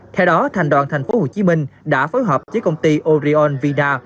theo đó thành đoàn tp hcm đã phối hợp với công ty orion vina